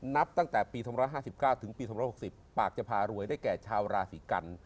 นับตั้งแต่ปี๒๕๙ถึงปี๒๖๐ปากจะพารวยได้แก่ชาวราศีกัน